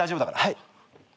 はい。